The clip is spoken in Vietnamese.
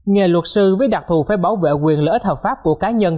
nghề luật sư với đặc thù phải bảo vệ quyền lợi ích hợp pháp của cá nhân